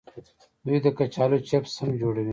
دوی د کچالو چپس هم جوړوي.